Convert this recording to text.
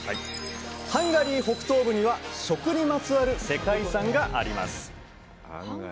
ハンガリー北東部には食にまつわる世界遺産があります